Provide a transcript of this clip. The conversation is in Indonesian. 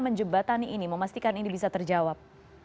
menjebatani ini memastikan ini bisa terjawab